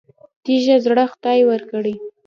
تیږه زړه خدای ورکړی.